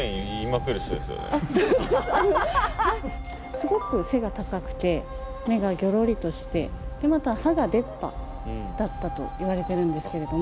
すごく背が高くて目がギョロリとしてまた歯が出っ歯だったといわれてるんですけれども。